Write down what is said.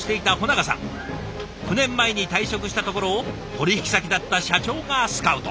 ９年前に退職したところを取引先だった社長がスカウト。